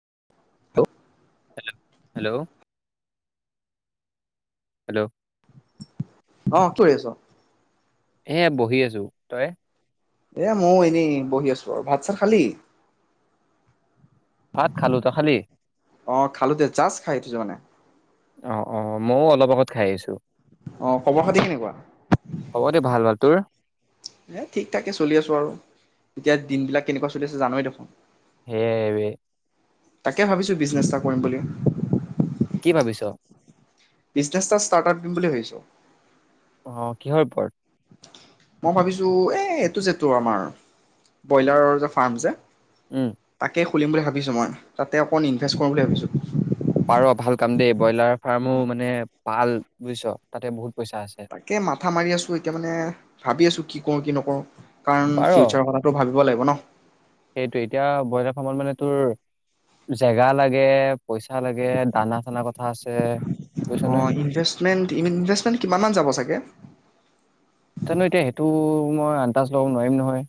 [inaudible] Hello, hello hello অ', কৰি আছ? এ' বহি আছোঁ। তই? এ ময়ো এনেই বহি আছোঁ আৰু। ভাত-চাত খালি? ভাত খালো তই খালি? অ' খালোঁ দে। জাষ্ট খাই উঠিছোঁ মানে। অ' অ' মইয়ো অলপ আগত খাই আহিছোঁ। অ' খবৰ খাতি কেনেকুৱা? হ'ব দে ভাল ভাল, তোৰ? এ ঠিক্‌ ঠাক্কে চলি আছোঁ আৰু। এতিয়া দিন বিলাক কেনেকুৱা চলি আছে জানয়ে দেখোঁন। সেয়া বে তাকে ভাবিছোঁ বিজনেছ এটা কৰিম বুলি। কি ভাবিছ? বিজনেছ এটা ষ্টাৰ্টআপ দিম বুলি ভাবিছোঁ। অ'- কিহৰ ওপৰত? মই ভাবিছোঁ, এ' এইটো যেটো আমাৰ-ব্ৰইলাৰৰ যে ফাৰ্ম যে উম্‌ তাকে খুলিম বুলি ভাবিছোঁ মই। তাতে অকণ ইনভেষ্ট কৰোঁ বুলি ভাবিছোঁ। পাৰ ভাল কাম দেই। ব্ৰইলাৰ -ফাৰ্মো- মানে পাল বুইছ তাতে বহুত পইচা আছে। তাকে মাথা মাৰি আছোঁ এতিয়া মানে- ভাবি আছোঁ কি কৰোঁ কি নকৰোঁ। অ। কাৰণ ফিউচাৰৰ কথাটো ভাৱিব। দিব লাগিব ন? সেইটোৱেই, এতিয়া ব্ৰইলাৰ ফাৰ্মত মানে তোৰ জেগা লাগে, পইচা লাগে, দানা-চানাৰ কথা আছে। বুজিছ নে? অঁ ইনভেষ্টমেণ্ট, ইনভেষ্টমেণ্ট কিমানমান যাব চাগে? জানো এতিয়া সেইটো মই আন্দাজ লব নোৱাৰিম নহয়।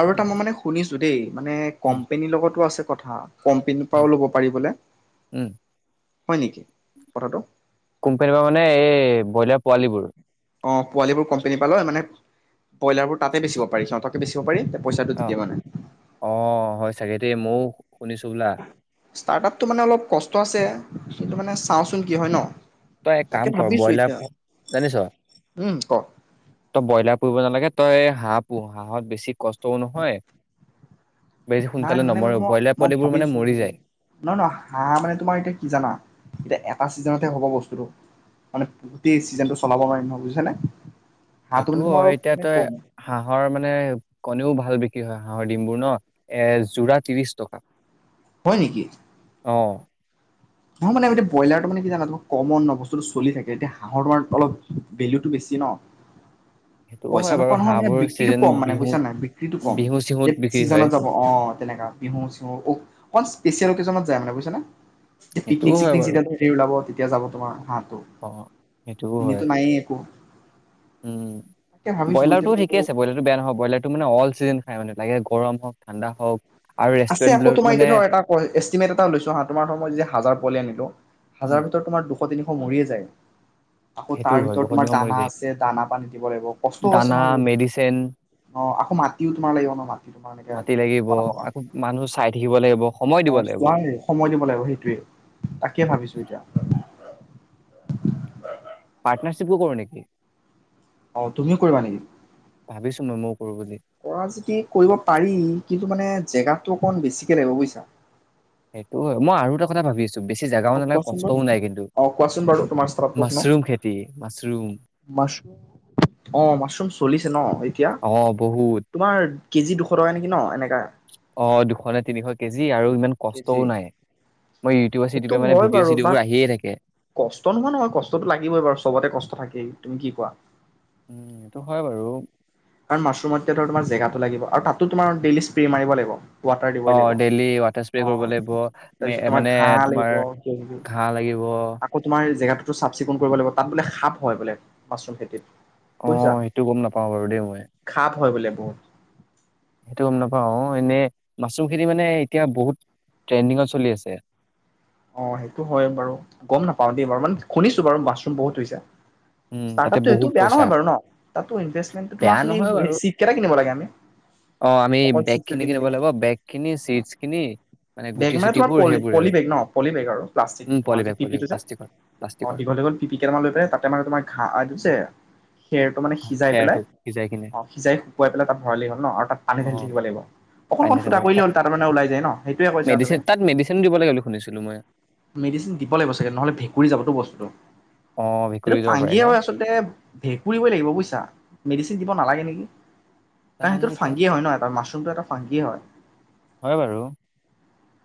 আৰু এটা মই মানে শুনিছোঁ দেই, মানে উম কোম্পানীৰ লগতো আছে। কথা। কোম্পানীৰ উম পৰাও লব পাৰি বুলে। উম হয় নেকি কথাটো? কোম্পানীৰ পৰা মানে, এই ব্ৰইলাৰ পোৱালীবোৰ? অঁ, পোৱালিবোৰ কোম্পানীৰ পৰা লয় মানে ব্ৰইলাৰবোৰ তাতে বেচিব। পাৰি, পিছত সিহঁতকে বেচিব পাৰি। পইচাটো অঁ, তেতিয়া মানে অঁ হয় চাগে দে মৌ। শুনিছোঁ [unintelligible] ষ্টাৰ্টআপটো মানে অলপ কষ্ট আছে, কিন্তু মানে চাওঁচোন কি হয় ন? তই এক তাকে কাম কৰ, ভাবিছো ব্ৰইলাৰ এতিয়া [inaudible] জানিছ, উম ক তই ব্ৰইলাৰ পুহিবো নালাগে। তই হাঁহ পোহ, হাঁহত বেছি কষ্টও নহয়। বেছি নাই, সোনকালে মানে ম নমৰেও ব্ৰইলাৰ মই পোৱালিবোৰ মানে ভাবিছো মৰি যায় নহয়, নহয় হাঁহ মানে এতিয়া তোমাৰ কি জানা, এতিয়া এটা। চিজনতে হব বস্তুটো, মানে গোটেই ছিজনটো চলাব পাৰিম নহয়, বুজিছা নে? এইটো হয়, এতিয়াতে হাঁহৰ মানে কণীও ভাল বিক্ৰী হয়। হাঁহৰ ডিমবোৰ নে এ যোৰা ত্ৰিশ টকা। হয় নেকি? অঁ নহয়, মানে ব্ৰইলাৰটো মানে কি জানা কমনকমন ন বস্তুটো চলি থাকে। এতিয়া হাঁহৰ তোমাৰ অলপ ভেলুটো বেছি ন। সেইটোও হয় পইচা বাৰু নোপোৱা নহয়, মানে হাঁহবোৰ বিক্ৰীতো চিজন কম, মানে বিহু বুজিছা নাই? বিক্ৰীতো কম বিহু চিহুত যে বিক্ৰী হয় চিজনত যাব অঁ। তেনেকা বিহু-চিহু অ অকল স্পেচিয়েল অকেজনত যায় মানে, বুজিছা নে? সেইটোও হয় পিকনিক-চিকনিক, বাৰু যেতিয়া উলাব, তেতিয়া। এতিয়া যাব তোমাৰ হাত। অ এনেইতো নাইয়ে একো। উম্, তাকে ভাবিছো ব্ৰইলাৰটো এতিয়াতো ঠিকেই আছে, ব্ৰইলাৰটো বেয়া নহয়, ব্ৰইলাৰটো মানে অল। চিকেন খায় মানে লাগে গৰম হওক ঠাণ্ডা হওক। আৰু আছে আকৌ ৰেষ্টুৰেণ্টবিলাকতো তোমাৰ মানে এতিয়া ধৰা এটা এষ্টিমেট এটা লৈছোঁ, হা। তোমাৰ ধৰা মই হাজাৰ পোৱালি আনিলোঁ, হাজাৰৰ উম ভিতৰত তোমাৰ দুশ। শ-তিনিশ মৰিয়েই যায়। আকৌ সেইটো তাৰ হয় ভিতৰত দুশ তোমাৰ দিনৰ মৰি দানা যায় আছে, দানা-পানী দিব লাগিব, কষ্টও আছে দানা নহয় মেডিচিন বহুত। আকৌ মাটিও তোমাৰ লাগিব নহয়, মাটি তোমাৰ এনেকে মাতি হেৰি লাগিব বনাব কাৰণে। আকৌ মানুহ চাই থাকিব লাগিব সময় দিব অঁ, লাগিব চোৱা সময় দিব লাগিব সেইটোৱেই। তাকেই ভাবিছোঁ এতিয়া। [unintelligible] [inaudible] পাৰ্টনাৰশিপো কৰো নেকি? অ' তুমিও কৰিবা নেকি? ভাবিছো মই ময়ো কৰো বুলি কৰা যদি কৰিব পাৰি কিন্তু মানে? জেগাটো অকণ বেছিকৈ লাগিব বুজিছা। সেইটো হয়। মই আৰু এটা কথা ভাবি আছো। বেছি জেগাও অ নালাগে কোৱাচোন বাৰু কষ্টও নাই কিন্তু। অ কোৱাচোন বাৰু তোমাৰ ষ্টাৰ্টটো শুনো মাছৰুম খেতি মাছৰুম। মাছৰুম। অ' মাছৰুম চলিছে ন এতিয়া। অ বহুত তোমাৰ কেজি দুশ টকা নেকি ন এনেকে। অ' দুশ নে তিনিশ কি আৰু ইমান কষ্টও কেজি নাই। মই ইউটিউবে সেইটো চিউটিউবে মানে হয় ভিডিঅ' বাৰু চিডিঅ'বোৰ বাট আহিয়ে থাকে কষ্ট নোহোৱা নহয় কষ্টতো লাগিবই বাৰু চবতে কষ্ট থাকেই। তুমি কি কোৱা? উম এইটো হয় বাৰু কাৰণ, মাচৰুমত এতিয়াটো আৰু তোমাৰ জেগাটো লাগিব আৰু তাতটো তোমাৰ ডেইলি স্প্ৰে মাৰিব লাগিব। ৱাটাৰ দিবই লাগিব। অ', ডেইলি ৱাটাৰ স্প্ৰে অ কৰিব লাগিব তাৰপিছত তোমাৰ মানে ঘাঁহ লাগিব তোমাৰ কিবা ঘাঁ লাগিব। চাফ-চিকুণ কৰিব লাগিব, তাত বোলে সাপ হয় বোলে, মাচৰুম খেতিত। অ', বুজিছা সেইটো গম নাপাওঁ বাৰু। [unintelligible] সাপ হয় বোলে বহুত। সেইটো গম নাপাওঁ। এনেই, মাচৰুম খেতি মানে, এতিয়া বহুত ট্ৰেণ্ডিঙত চলি আছে। অ' সেইটো হয় বাৰু গম নাপাও দেই বাৰু মানে শুনিছো বাৰু মাছৰুম বহুত হৈছে উম ষ্টাৰ্ট তাতে আপটো সেইটো বহুত বেয়া পইচা নহয় বাৰু ন। তাতো ইনভেস্টমেন্টটো তোমাৰ বেয়া খালি, নহয় বাৰু চিট কেইটা কিনিব লাগে আমি। অ আমি অকল বেগ চিটটো খিনি কিনিব কিনিলেই হ'ল। লাগিব বেগ খিনি চিটছ খিনি বেগ গুটি মানে তোমাৰ চুটিবোৰ পলি সেইবোৰে পলি আৰু বেগ ন? [unintelligible] বেগ আৰু উম প্লাষ্টিকটো পলি তোমাৰ যে, বেগ পি পলি পি টো যে। প্লাষ্টিকৰ অ, প্লাষ্টিকৰ দীঘল, দীঘল পি, পি কেইটামান লৈ পেলাই, তাত তাতে মানে তোমাৰ ঘাঁ দিছে খেৰটো মানে সিজাই পেলাই খেৰটো সিজাই কিনে অ' সিজাই শুকুৱাই পেলাই তাত ভৰালেই হ'ল ন আৰু তাত পানী অ ঢালি থাকিব লাগিব। অকণ পানী অকণ থাকিব ফুটা লাগে। কৰিলে হ'ল তাত মানে ওলাই যায় ন, সেইটোয়ে কৈছে আপুনি? মেডিচিন তাত মেডিচিনো দিব লাগে বুলি শুনিছিলো মই মেডিচিন দিব লাগিব চাগে নহ'লে ভেঁকুৰি যাবতো বস্তুটো। অ সেইটো ভেকুৰী যাব পাৰে ফাঙ্গীয়ে ন হয় আচলতে, ভেঁকুৰিবই লাগিব বুইচা। মেডিচি দিব নালাগে নেকি? জানো কাঁহটোৰ এতিয়া ফাঙ্গীয়ে হয় ন, এটাৰ মাছ টো এটা ফাঙ্গীয়ে হয়। হয় বাৰু।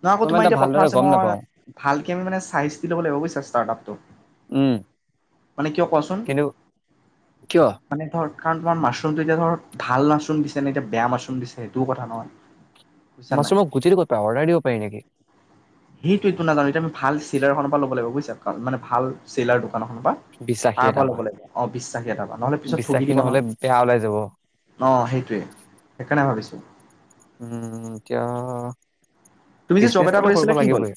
নহয় আকৌ তোমাৰ এটা এতিয়া কথা ভালদৰে আছে গ'ম নহয় নাপাওঁ। ভালকে আমি মানে, চাই-চিটি ল'ব লাগিব বুজিছা ষ্টাৰ্ট আপটো। উম মানে কিয়, কোৱাচোন? কিন্তু কিয় মানে ধৰ কাৰণ তোমাৰ মাছৰুমটো এতিয়া ধৰা ভাল মাছৰুম দিছে নে এতিয়া বেয়া মাছৰুম দিছে সেইটোও কথা নহয়। বুজিছা নাই মাছৰুমৰ গুটিটো ক'ত পায়? অৰ্ডাৰ দিব পাৰি নেকি? সেইটোয়েইটো নাজানো। এতিয়া আমি ভাল [unintelligible] পৰা ল'ব লাগিব, বুজিছ [unintelligible] মানে ভাল চিলাৰ নুশুনিবা, বিশ্বাসী তাৰ এটা পৰা ল'ব লাগিব। অ', বিশ্বাসী এটাৰ পৰা। নহ'লে পিছত ঠগি বিশ্বাসী দিব নহ'লে নহয়। বেয়া ওলাই যাব অ', সেইটোৱেই। সেইকাৰণে ভাবিছোঁ। উম [unintelligible] তুমি যে জব এটা বিজনেছটো কৰি কৰিব আছিলা কি হ'ল লাগিবই।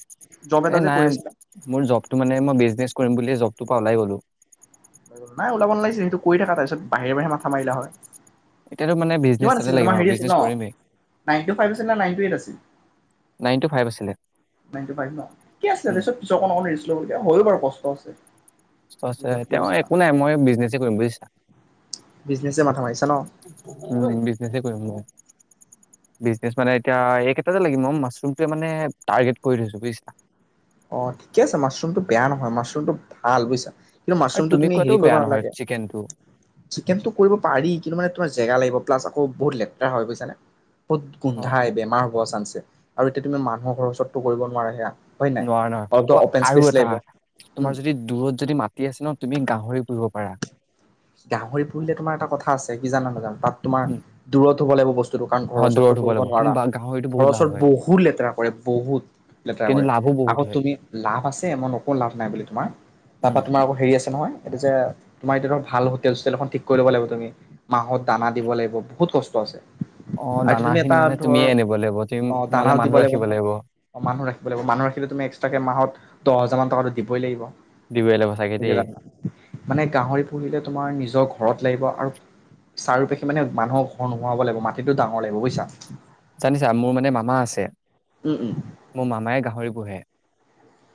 জব এটা এ, যে কৰি নাই, আছিলা মোৰ জবটো, মানে, মই বিজনেছ কৰিম বুলিয়েই জব টোপা ওলাই গ'লোঁ। নাই, ওলাব নালাগিছিলে। সেইটো কৰি থকা। তাৰ পিছত, বাহিৰে-বাহিৰে মাথা মাৰিলা, হয়। এতিয়াতো মানে বিজনেছ কিমান এটাতে আছিলে লাগিম তোমাৰ? আৰু হেৰি আছিল বিজনেছ ন? কৰিমেই নাইন টু ফাইভ আছিল নে নাইন টু এইট আছিল? নাইন টু ফাইভ আছিলে নাইন টু ফাইভ ন? ঠিকে আছিলে উম দিয়া চোন পিছৰ কোন অকন ৰেষ্ট লব হয় ও দিয়া চোন। পাছে। [unintelligible] তেওঁ একো নাই। মই বিজনেছেই কৰিম, বুজিছা? বিজনেছে মাথা মাৰিছা ন উম, বিজনেছেই কৰিম মই। বিজনেছ, মানে, এতিয়া এইকেইটাতে লাগিম। আৰু মাছৰুমোৱেই, মানে, টাৰ্গেট কৰি থৈছোঁ, বুজিছা। অ', ঠিকে আছে। মাছৰুমটো বেয়া নহয়। মাছৰুমটো ভাল, বুজিছা। কিন্তু আৰু মাছৰুমটো, তুমি, কোৱাটো হেৰি, কৰিব বেয়া নহয় নালাগে। চিকেনটো চিকেনটো কৰিব পাৰি, কিন্তু, মানে, তোমাৰ জেগা লাগিব, প্লাছ বহুত লেতেৰা হয়, বুজিছানে? বহুত অ গোন্ধায়। বেমাৰ হ'ব। পোৱা চান্স আছে। আৰু এতিয়া, তুমি মানুহৰ ঘৰৰ ওচৰতটো কৰিব নোৱাৰা। এয়া হয় নে? হয়-হয়। অ', আৰু এটা, তোমাৰ উম যদি দূৰত যদি মাটি আছে ন, তুমি গাহৰি পুহিব পাৰা গাহৰি পুহিলে, তোমাৰ এটা কথা আছে। কি জানা, নাজানা। তাত তোমাৰ উম দূৰত থব লাগিব বস্তু কাৰণ ঘৰৰ অ ওচৰতটো দূৰত হ'ব পুহিব লাগিব কিন্তু নোৱাৰা। বা গাহৰিটো ঘৰৰ বহুত লাভ ওচৰত হয় বহুত লেতেৰা কৰে, বহুত লেতেৰা কিন্তু কৰে। লাভো বহুত আগত, হয় তুমি, লাভ আছে, মই নকওঁ, লাভ নাই বুলি। তোমাৰ, তাপা, উম তোমাৰ আকৌ, হেৰি, আছে নহয় এতিয়া যে, তোমাৰ এতিয়া ধৰক ভাল হোটেল-চোটেল এখন ঠিক কৰি ল'ব লাগিব। তুমি মাহত দানা দিব লাগিব। বহুত কষ্ট আছে। অ আৰু এতিয়া, দানা তুমি খিনি এটা মানে ধৰ, তুমিয়ে আনিব লাগিব তুমি অ', দানা নহলে দিব মানুহ লাগিব ৰাখিব নহয়। অ', মানুহ ৰাখিব লাগিব। মানুহ ৰাখিলে, তুমি এক্সট্ৰাকে মাহত দহ হাজাৰমান টকাটো দিবই লাগিব। দিবই লাগিব চাগে দেই বুজিলা নে নাই? মানে, গাহৰি তোমাৰ নিজৰ ঘৰত লাগিব। আৰু চাৰিপাশে, মানে, মানুহৰ ঘৰ নোহোৱাব লাগিব। মাটিটো ডাঙৰ লাগিব, বুজিছা। জানিছা মোৰ মানে মামা আছে। উম উম মোৰ মামাই গাহৰি পোহে।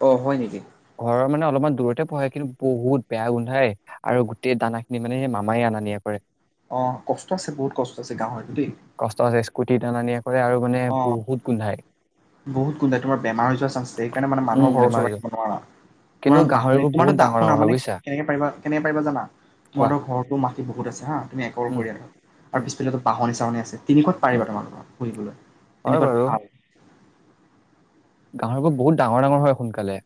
অ', হয় নেকি? ঘৰৰ মানে, অলপমান দূৰতে পোহে। কিন্তু বহুত বেয়া গোন্ধায়। আৰু গোটেই দানাখিনি মানে, সেই মামাই আনা-নিয়া কৰে। অ', কষ্ট আছে, বহুত কষ্ট আছে গাহৰি। কষ্ট আছে স্কুটিত আনা নিয়া। কৰে আৰু মানে অ', বহুত গোন্ধাই বহুত গুন্ধাই তোমাৰ বেমাৰ হৈ যোৱা চাঞ্চ আছে, সেইকাৰণে মানে উম মানুহৰ ঘৰৰ বেমাৰ ওচৰত হৈ যায়। ৰাখিব নোৱাৰা, তোমাৰ কিন্তু বাহঁনীত গাহৰিবোৰ তোমাৰটো বহুত ডাঙৰ শুনা ডাঙৰ হয় মানে বুজিছা কেনেকে পাৰিবা- কেনেকে পাৰিবা জানা কোৱা তোমাৰটো ঘৰটো মা বহুত আছে হা', তুমি একৰ উম কৰিয়ে থোৱা আৰু উম পিছফালেটো বাহঁনী টান আহিছে, তিনিক উম, পাৰিবা তোমালোকৰ পুহিবলৈ। হয় তেনেকোৱাত বাৰু। ভাল, গাহৰিবোৰ বহুত ডাঙৰ-ডাঙৰ হয় সোনকালে।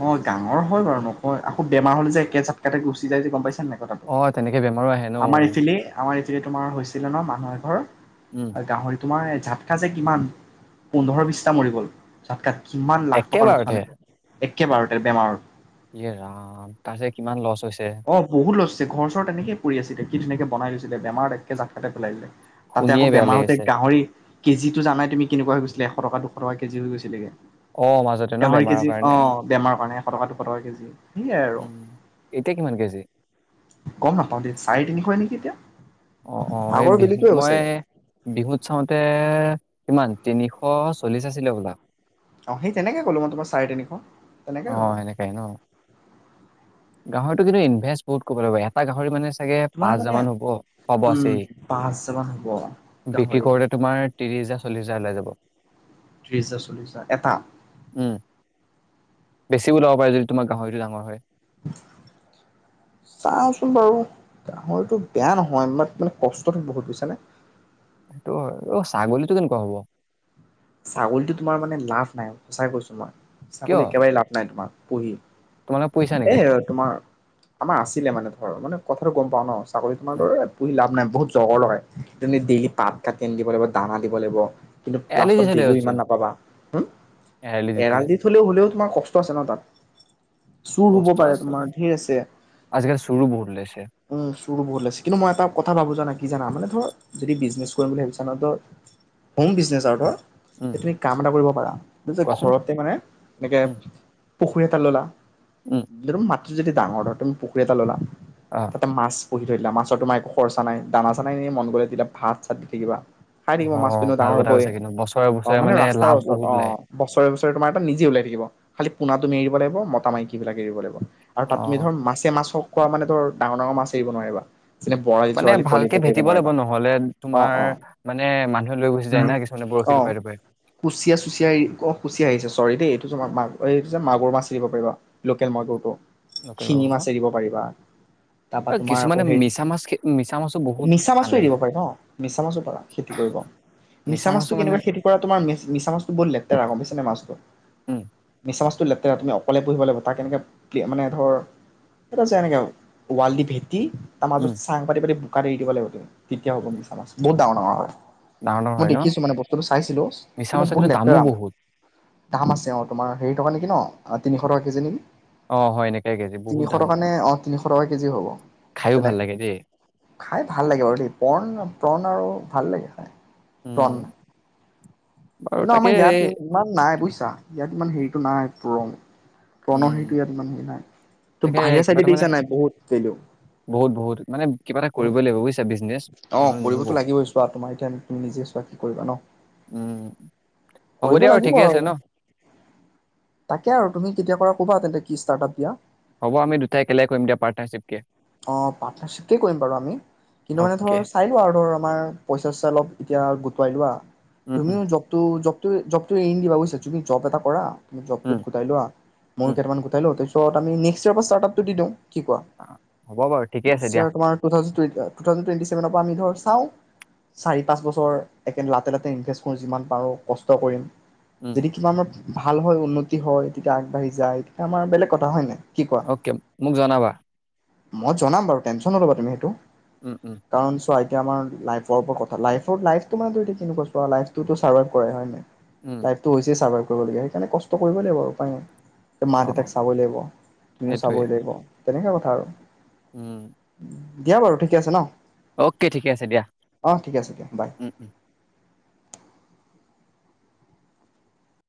অ ডাঙৰ হয় বাৰু নকয় আকৌ বেমাৰ হলে যে একে ঝাতকাটে গুচি যায় যে গম পাইছ। অ তেনেকে বেমাৰো আহে ন। এ তোমাৰ হৈছিলে ন মানুহ এঘৰৰ উম। আৰু গাহৰিটো, তোমাৰ ঝাতকা যে কিমান পোন্ধৰ বিছটা মৰি গ'ল ঝাতকা। কিমান লাখ টকাৰ লোকচান একেবাৰতে হৈছে। একেবাৰতে বেমাৰ। ইয়ে ৰাম তাৰ যে', কিমান লছ হৈছে। অ', বহুত লৰছে, ঘৰ- চৰ তেনেকে পৰি আছে এতিয়া কি ধুনিয়াকে বনাই লৈছে। তেতিয়া, বেমাৰত একে ঝাপতে পেলাই দিলে। তাতে আকৌ শুনিয়ে বেয়া লাগি বেমাৰতে গৈছে। গাহৰি কেজিটো জানাই তুমি জানাই কেনেকুৱা হৈ গৈছিলে এশ টকা -দুশ টকা কেজি হৈ গৈছিলে গে। অ', মাজতে ন' গাহৰি বেমাৰৰ কেজি কাৰণে। অ', বেমাৰ কাৰণে, এশ টকা, দুশ টকা কেজি সেয়াই আৰু উম', এতিয়া কি ওৱান কেজি গম নাপাওঁ দেই চাৰে তিনিশই নেকি এতিয়া অ', - অ ', এই আগৰ বেলিটোৱে হ'ব মই চাগে বিহুত চাওঁতে, কিমান তিনিশ -চল্লিশ আছিলে হবলা অ ', সেই', তেনেকে ক'লোঁ মই তোমাৰ চাৰে- তিনিশ তেনেকেই হ'ব অ', সেনেকাই ন'। গাহৰিটো কিন্তু ইনভেচ বহুত কৰিব লাগিব এটা গাহৰি মানে। চাগে তোমাৰ পাঁচ হাজাৰ মানে মান হ'ব। হ'ব', উম আছে, পাঁচ হাজাৰ মান হ'ব বিক্ৰী গাহৰি কৰোতে তোমাৰ ত্ৰিশ-হাজাৰ চল্লিছ হাজাৰ ওলাই যাব। ত্ৰিশ -হাজাৰ, চল্লিছ -হাজাৰ এটা বেছি ওলাব পাৰে, যদি তোমাৰ গাহৰিটো ডাঙৰ হয়। চাচোন বাৰু গাহৰিটো বেয়া নহয় ইমান কষ্টটো বহুত বুইছানে। সেইটো হয় ', অহ', ছাগলীটো কেনেকুৱা হ'ব? ছাগলীটো তোমাৰ মানে লাভ নাই, সঁচাই কৈছো মই ছাগলী কিয় একেবাৰে লাভ নাই তোমাৰ। পুহিম। তোমালোকে পুহিছা এ নেকি তোমাৰ, আমাৰ আছিলে মানে। হয়, মানে কথাটো গম পাউ ন। [unintelligible] পুহি লাভ নাই।। বহুত জগৰ লগায়। তুমি ডেলি পাত কাটি আনি দিব লাগিব। দানা দিব লাগিব। এৰালি দি লাষ্টত থলে দিলেও হ'ল ইমান চোন নাপাবা। হু, এৰালি এৰাল থলে দি থলেও হ'লেও তোমাৰ কষ্ট আছে ন, তাত। চুৰ হ'ব কষ্ট পাৰে আছে, তোমাৰ ধেৰ আছে। আজিকালি চুৰু বহুত ওলাইছে। উম, বহুত লাগিছে কিন্তু মই এটা কথা ভাবো, কি জানা মানে ধৰ যদি বিজনেছ কৰিম বুলি ভাবিছা ন', ধৰ হোম বিজনেছ আৰু। [inaudible] উম যে তুমি কাম এটা কৰিব পাৰা, যে কোৱাচোন ঘৰতে মানে এনেকে উম পুখুৰী এটা ল'লা। উম [inaudible] যদি ডাঙৰ হয়। পুখুৰী এটা ল'লা। অ তাতে মাছ পুহি থৈ দিলা মাছৰ তোমাৰ একো খৰচা নাই। দানা চানা নাই এনে মন গ'লে তেতিয়া ভাত চাত দি থাকিবা। খাই অ থাকিব মাছকিনো ভাল ডাঙৰ কথা হ'বই। কৈছা কিন্তু বছৰে অ', বছৰে মানে ৰাস্তাৰ লাভ ওচৰত বহুত ওলাই অ', বছৰে বছৰে তোমাৰ এটা নিজে ওলাই থাকিব। খালি পোনা তুমি এৰিব লাগিব মতা মাইকী বিলাক এৰিব লাগিব। আৰু তাত তুমি অ ধৰা মাছে মাছক চোৱা মানে ধৰ ডাঙৰ ডাঙৰ মাছ এৰিব নোৱাৰিবা। যেনে বৰালি মানে চৰালি পোৱালি ভালকে এইবিলাক এৰিব ভেটিব লাগিব নোৱাৰিবা নহলে অ তোমাৰ অ মানে মানুহে লৈ গুচি যায় না কিছুমানে বৰ অ', কুচিয়া চুচিয়া অ', কুচিয়া আহিছে চৰি দেই এইটো জ এই যে মাগুৰ মাছ দিব পাৰিবা লোকেল মাগুৰটো। লোকেল শিঙি মাগুৰ ন মাছ এৰিব পাৰিবা তাৰপা অ তোমাৰ আকৌ কিছুমানে হেৰি মিছা মাছ মিছা মাছো বহুত মিছা মাছো আনে এৰিব পাৰিবা মিছা মাছো পাৰা খেতি কৰিব, মিছা মাছ মাছো মানে খেতি কৰা তাৰ মিছা মছ বৰ লতেৰা গম পাইচা নে মাছটো উম মিছা মাছ টো লেতেৰা তুমি অকলে পুহিব লাগিব তাক, এনেকৈ মানে ধৰ এটা যে এনেকৈ ৱাল্ডি ভেদ কি তাৰ মাজত উম চাং পাতি পাতি কা এৰি দিব লাগিব তেতিয়া হ'ব মিছা মাছ বহুত ডাঙ ডাঙৰ হয়। ডাঙৰ, ডাঙৰ মই হয় ন? দেখিছো মানে বস্তুটো চাইছিলো মিছা কিন্তু মাছৰ বহুত দামো লেতেৰা। বহুত দাম আছে অ তোমাৰ হেৰি টকা নেকি ন, তিনিশ টকা কেজি নেকি? অ হয় এনেকে কেজি বহুত তিনিশ দাম টকা নে অ তিনিশ টকা কেজি হ'ব, খায়ো ভাল তেনেকৈ লাগে দেই। খাই ভাল লাগে বাৰু দেই পণ পণ আৰু ভাল লাগে খাই। [inaudible] উম, বাৰু কিন্তু তাকে আমাৰ ইয়াত এই ই ইমান নাই বুজিছা, ইয়াত ইমান হেৰিটো নাই। পণ প্ৰণৰ উম, হেৰিটো ইয়াত ইমান হেৰি নাই। তুমি তাকে বাহিৰৰ কিবা চাইডে এটা দি মানে দেখিছা নাই বহুত এইটো বহুত বহুত মানে কিবা এটা কৰিবই লাগিব বুজিছা বিজনেছ বহুত অ নহ'লে নহ'ব। কৰিবতো লাগিবই চোৱা তোমাৰ এতিয়া তুমি নিজে চোৱা কি কৰিবা ন? উম, হ'ব কৰিব দিয়া আৰু লাগিব ঠিকে আছে ন তাকে আৰু তুমি কেতিয়াৰ পৰা ক'বা তেন্তে কি ষ্টাৰ্টআপ দিয়া। হ'ব আমি দুটাই একেলগে কৰিম দিয়া পাৰ্টনাৰশ্বিপকে। অ পাৰ্টনাৰশিপকে কৰিম বাৰু আমি। কিন্তু মানে ধৰ অ'কে চাই লওঁ আৰু ধৰ আমাৰ পইচা-চইচা অলপ এতিয়াও গোট পাৰিবা? উম, উম, তুমিও জবটো জব তোমাৰ জবটো এৰি নিদিবা বুজিছা তুমি জব এটা কৰা। তুমি জবটো উম, গোতাই লোৱা। মইও উম, কেইটামান গোটাই লওঁ তাৰ পি ছত আমি নেক্সটৰ পৰা ষ্টাৰ্টআপটো দি দিওঁ কি কোৱা? অ, হ'ব বাৰু ঠিকে নেক্স আছে দিয়া। ইয়াৰ তোমাৰ টু থাউজেণ্ড টুয়েনটি ছেভেনৰ পৰা আমি ধৰ চাওঁ চাৰি পাঁচ বছৰ একে লাতে লাতে তে ইনভেষ্ট কৰোঁ যিমান পাৰোঁ কষ্ট কৰিম। উম, যদি কিমানত ভাল হয় উন্নতি হয় তেতিয়া আগবাঢ়ি যায়, তেতিয়া আমাৰ বেলেগ কথা হয় নে নাই? কি কোৱা? অকে মোক জনাবা। মই জনাম বাৰু টেনচন নল'বা তুমি সেইটো। উম উম কাৰণ এতিয়া আমাৰ লাইভৰ ওপৰত কথা লাইভত লাইফটো মানে এইটো কেনেকুৱা লাভ হয় ন? উম, লাইফটো হৈছে স্বাভাবিক কৰিবলৈকে সেইকাৰণে কষ্ট কৰিবই লাগিব উপায় নাই মা অ' দেউতাক চাবই লাগিব, তুমিও সেইটোৱে। চাবই লাগিব তেনেকুৱা কথা আৰু উম দিয়া বাৰু ঠিকে আছে ন? অ'কে ঠিকে আছে দিয়া অ ঠিক আছে দিয়া বাই উম উম